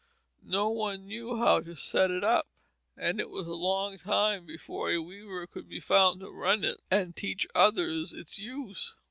No one knew how to set it up, and it was a long time before a weaver could be found to run it and teach others its use.